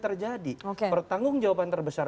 terjadi pertanggung jawaban terbesar